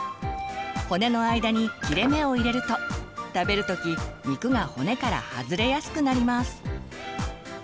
骨の間に切れ目を入れると食べる時肉が骨から外れやすくなります。